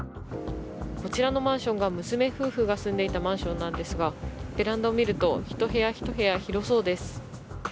こちらのマンションが娘夫婦が住んでいたマンションなんですがベランダを見ると、１部屋１部屋広そうです。